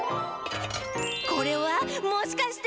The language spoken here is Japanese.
これはもしかして？